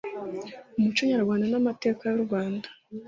umuco nyarwanda n'amateka y'u Rwanda